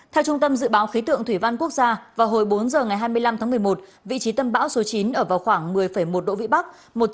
theo trung tâm dự báo khí tượng thủy văn quốc gia vào hồi bốn h ngày hai mươi năm tháng một mươi một vị trí tâm bão số chín ở vào khoảng một mươi một độ vĩ bắc